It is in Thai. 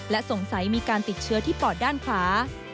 และสงสัยมีการติดเชื้อที่ปอดด้านขวา